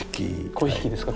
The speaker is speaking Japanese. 粉引ですか？